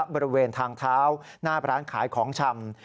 บริเวณทางเท้าหน้าร้านขายของชำ